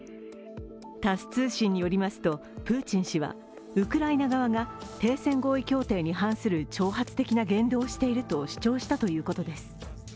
タス通信によりますと、プーチン氏はウクライナ側が停戦合意協定に反する挑発的な言動をしていると主張したということです。